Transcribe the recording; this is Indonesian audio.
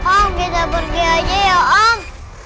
oh kita pergi aja ya om